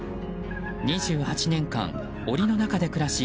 ２８年間、檻の中で暮らし